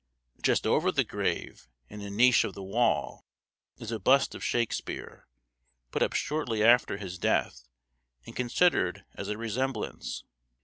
Just over the grave, in a niche of the wall, is a bust of Shakespeare, put up shortly after his death and considered as a resemblance.